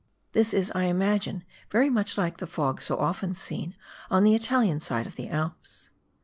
This is, I imagine, very much like the fog so often seen on the Italian side of the Alps.